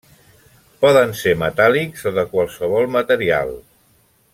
Poden ser metàl·lics o de qualsevol material.